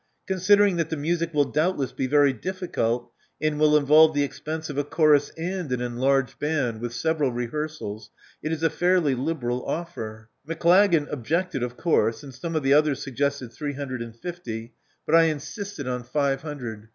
Considering that the music will doubtless be very difficult, and will involve the expense of a chorus and an enlarged band, with several rehearsals, it is a fairly liberal offer. Maclagan objected, of course; and some of the others suggested three hundred and fifty; but I insisted on five hundred.